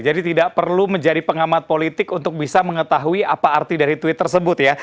jadi tidak perlu menjadi pengamat politik untuk bisa mengetahui apa arti dari tweet tersebut ya